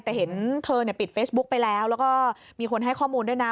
แต่เห็นเธอเนี่ยปิดเฟซบุ๊กไปแล้วแล้วก็มีคนให้ข้อมูลด้วยนะ